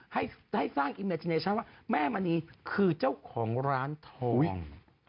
ให้สร้างความคิดว่าแม่มณีคือเจ้าของร้านทอง